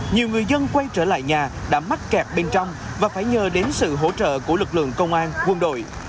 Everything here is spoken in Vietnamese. nhiều người dân quay trở lại nhà đã mắc kẹt bên trong và phải nhờ đến sự hỗ trợ của lực lượng công an quân đội